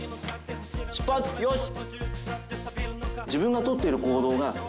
出発よし。